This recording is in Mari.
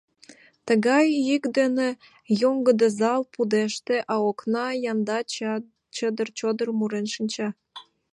Тыгай йӱк дене йоҥгыдо зал пудеште, а окна янда чыдыр-чодыр мурен шинча.